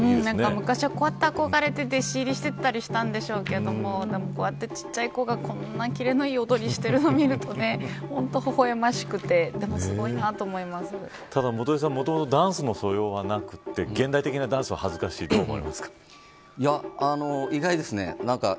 昔はこうやって憧れて弟子入りしたりしたんでしょうけどこうやってちっちゃい子がこんなにキレのいい踊りをしているのを見ると本当に微笑ましくてもともとダンスの素養はなくって現代的なダンスは恥ずかしい意外ですね。